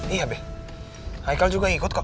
iya be haikal juga ikut kok